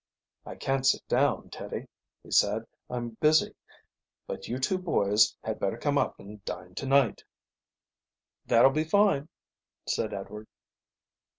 "I can't sit down, Teddie," he said. "I'm busy. But you two boys had better come up and dine to night." "That'll be fine," said Edward.